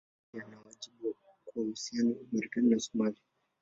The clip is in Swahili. Yeye pia ana wajibu kwa uhusiano wa Marekani na Somalia.